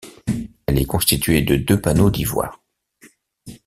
Elle est constituée de deux panneaux d'ivoire.